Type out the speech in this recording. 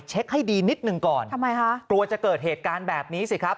เช็คให้ดีนิดนึงก่อนปลอดภัณฑ์จะเกิดเหตุการณ์แบบนี้สิครับ